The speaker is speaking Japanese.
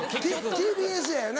ＴＢＳやよな？